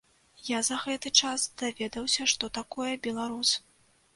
Я за гэты час даведаўся, што такое беларус.